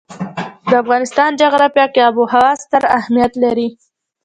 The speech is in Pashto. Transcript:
د افغانستان جغرافیه کې آب وهوا ستر اهمیت لري.